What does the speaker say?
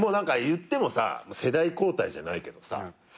いってもさ世代交代じゃないけど。